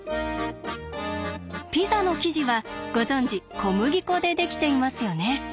ピザの生地はご存じ小麦粉でできていますよね。